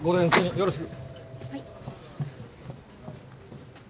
よろしく。